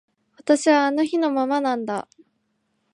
私はあの日のままなんだ